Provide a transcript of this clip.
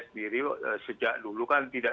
sendiri sejak dulu kan tidak